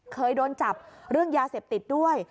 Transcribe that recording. เคยโดนจับเรื่องยาเสพติดด้วย